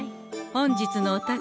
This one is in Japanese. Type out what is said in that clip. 本日のお宝